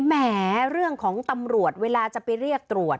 แหมเรื่องของตำรวจเวลาจะไปเรียกตรวจ